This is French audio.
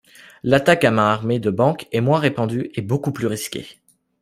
L'attaque à main armée de banques est moins répandu et beaucoup plus risqué.